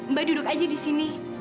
mbak duduk aja disini